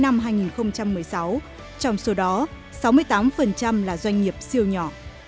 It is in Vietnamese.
tổng số doanh nghiệp vừa và nhỏ đã tính đến cuối năm hai nghìn một mươi sáu trong số đó sáu mươi tám là doanh nghiệp siêu nhỏ